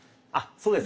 そうです。